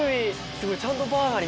すごい。